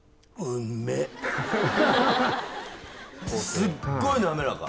すっごいなめらか。